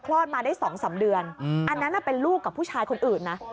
คลอดมาได้สองสามเดือนอันนั้นน่ะเป็นลูกกับผู้ชายคนอื่นนะ